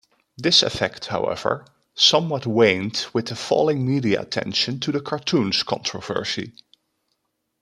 This effect, however, somewhat waned with the falling media attention to the cartoons controversy.